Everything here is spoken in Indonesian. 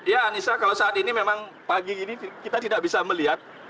ya anissa kalau saat ini memang pagi ini kita tidak bisa melihat